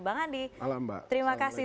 bang handi terima kasih